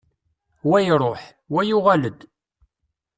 Wa iruḥ, wa yuɣal-d.